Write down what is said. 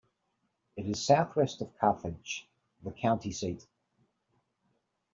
It is southwest of Carthage, the county seat.